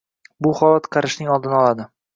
Bu holat qarishning oldini oladi.